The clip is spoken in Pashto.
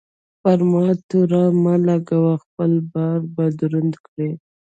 پر ما تور مه لګوه؛ خپل بار به دروند کړې.